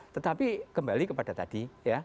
tetapi kembali kepada tadi